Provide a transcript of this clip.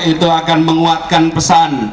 itu akan menguatkan pesan